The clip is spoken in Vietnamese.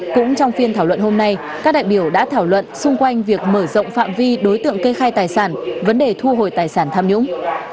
cũng trong phiên thảo luận hôm nay các đại biểu đã thảo luận xung quanh việc mở rộng phạm vi đối tượng kê khai tài sản vấn đề thu hồi tài sản tham nhũng